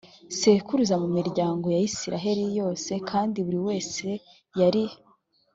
sekuruza mu miryango ya isirayeli yose kandi buri wese yari